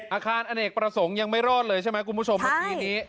อาคารอเนกประสงค์ยังไม่รอดเลยใช่ไหมคุณผู้ชมเมื่อกี้นี้